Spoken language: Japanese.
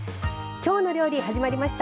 「きょうの料理」始まりました。